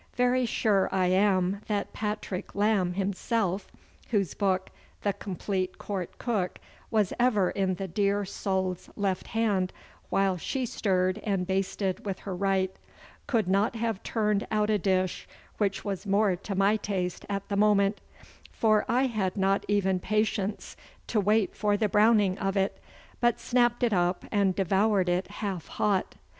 Very sure I am that Patrick Lamb himself, whose book, the 'Complete Court Cook,' was ever in the dear soul's left hand while she stirred and basted with her right, could not have turned out a dish which was more to my taste at the moment, for I had not even patience to wait for the browning of it, but snapped it up and devoured it half hot.